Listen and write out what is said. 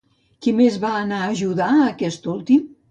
Qui més va anar a ajudar aquest últim?